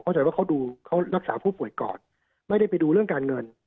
ใจว่าเขาดูเขารักษาผู้ป่วยก่อนไม่ได้ไปดูเรื่องการเงิน